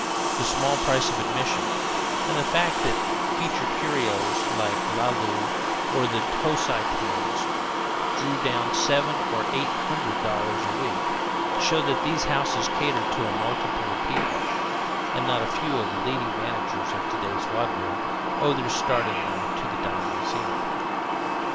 The small price of admission, and the fact that feature curios like Laloo or the Tocci Twins drew down seven or eight hundred dollars a week, show that these houses catered to a multitude of people; and not a few of the leading managers of to day's vaudeville, owe their start in life to the dime museum.